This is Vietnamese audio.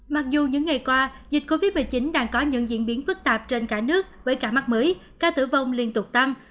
mặc dù những ngày qua dịch covid một mươi chín đang có những diễn biến phức tạp trên cả nước với ca mắc mới ca tử vong liên tục tăng